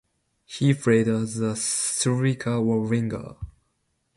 He played as a striker or winger.